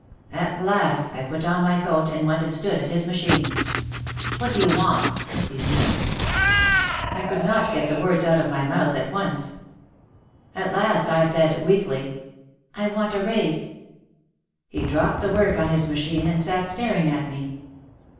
At last I put on my coat and went and stood at his machine. "What do you want?" he snapped. I could not get the words out of my mouth at once. At last I said weakly, "I want a raise." He dropped the work on his machine and sat staring at me.